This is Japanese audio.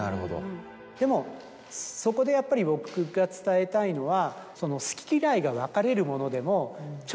でもそこでやっぱり僕が伝えたいのは。